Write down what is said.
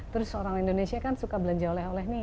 terus orang indonesia kan suka belanja oleh oleh nih